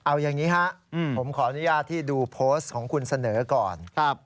เอาอย่างนี้ครับผมขออนุญาตที่ดูโพสต์ของคุณเสนอก่อน